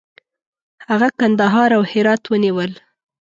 هغه کندهار او هرات ونیول.